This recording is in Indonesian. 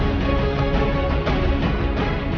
nggak nggak nggak